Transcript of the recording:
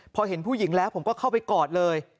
พอเห็นผู้หญิงแล้วผมก็เข้าไปกอดเลย